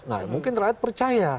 nah mungkin rakyat percaya